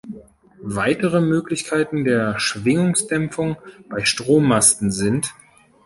Weitere Möglichkeiten der Schwingungsdämpfung bei Strommasten sind